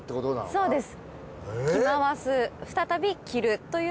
そうです。